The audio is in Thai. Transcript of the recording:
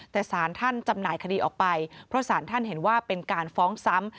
แต่สารท่านจำหน่ายคดีออกไปเพราะสารท่านเห็นว่าเป็นการฟ้องซ้ำ